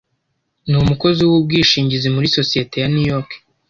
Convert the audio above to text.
Ni umukozi wubwishingizi muri sosiyete ya New York.